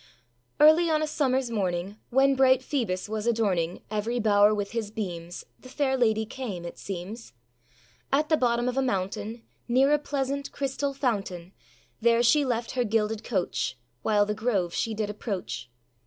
Early on a summerâs morning, When bright Phoebus was adorning Every bower with his beams, The fair lady came, it seems. At the bottom of a mountain, Near a pleasant crystal fountain, There she left her gilded coach, While the grove she did approach.